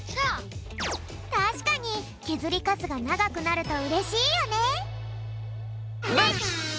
たしかにけずりカスがながくなるとうれしいよね！